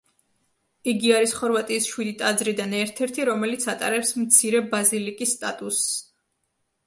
იგი არის ხორვატიის შვიდი ტაძრიდან ერთ-ერთი, რომელიც ატარებს მცირე ბაზილიკის სტატუსს.